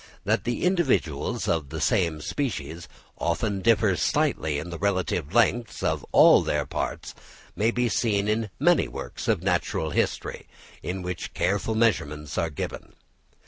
That the individuals of the same species often differ slightly in the relative lengths of all their parts may be seen in many works of natural history, in which careful measurements are given.